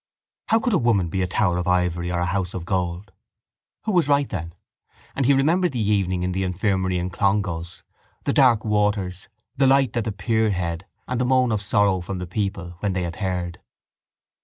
_ How could a woman be a tower of ivory or a house of gold? Who was right then? And he remembered the evening in the infirmary in Clongowes, the dark waters, the light at the pierhead and the moan of sorrow from the people when they had heard.